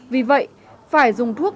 vì vậy phải dùng thuốc